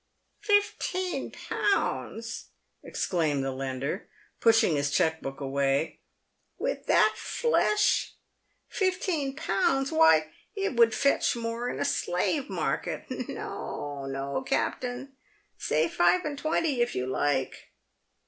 "Fifteen pounds!" exclaimed the lender, pushing his cheque book away. " With that flesh ! Fifteen pounds ! Why it would fetch more in a slave market. No ! no ! captain. Say five and twenty, if you like."